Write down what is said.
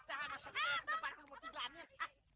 jangan masuk ke tempat pengumum tibaan